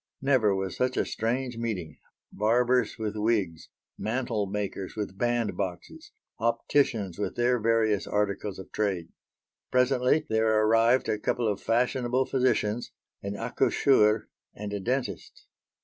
Never was such a strange meeting: barbers with wigs; mantlemakers with band boxes; opticians with their various articles of trade. Presently there arrived a couple of fashionable physicians, an accoucheur, and a dentist.